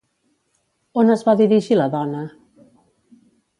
On es va dirigir la dona?